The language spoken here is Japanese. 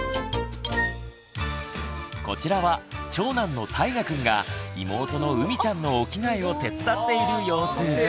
こちらは長男のたいがくんが妹のうみちゃんのお着替えを手伝っている様子。